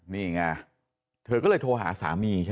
นี่ไงเธอก็เลยโทรหาสามีใช่ไหม